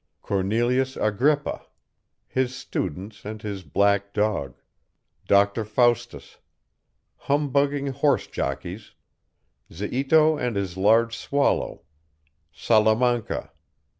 CORNELIUS AGRIPPA. HIS STUDENTS AND HIS BLACK DOG. DOCTOR FAUSTUS. HUMBUGGING HORSE JOCKEYS. ZIITO AND HIS LARGE SWALLOW. SALAMANCA.